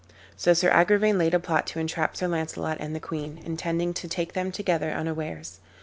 So Sir Agrivain laid a plot to entrap Sir Launcelot and the queen, intending to take them together unawares.